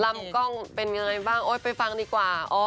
ลำกล้องเป็นอย่างไรบ้างไปฟังดีกว่า